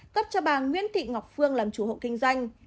cấp cho bà nguyễn thị ngọc phương làm chủ hộ kinh doanh